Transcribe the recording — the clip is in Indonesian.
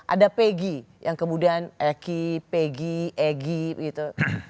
ada peggy yang kemudian eki peggy egy begitu